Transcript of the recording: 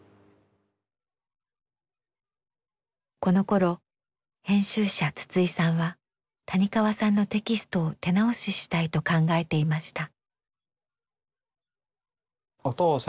このころ編集者筒井さんは谷川さんのテキストを手直ししたいと考えていました。